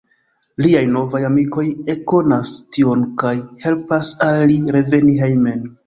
Liaj novaj amikoj ekkonas tion kaj helpas al li reveni hejmen.